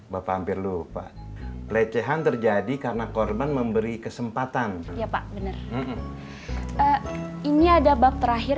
bapak hampir lupa pelecehan terjadi karena korban memberi kesempatan ya pak bener ini ada bak terakhir